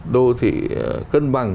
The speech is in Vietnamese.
đô thị cân bằng